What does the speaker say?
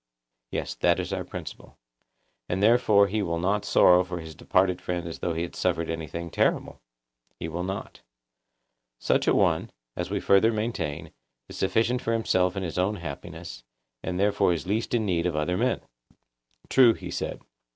Yes; that is our principle. And therefore he will not sorrow for his departed friend as though he had suffered anything terrible? He will not. Such an one, as we further maintain, is sufficient for himself and his own happiness, and therefore is least in need of other men. True, he said.